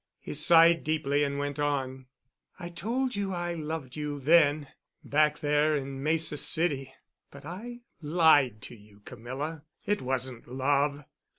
He sighed deeply and went on: "I told you I loved you then—back there in Mesa City—but I lied to you, Camilla. It wasn't love.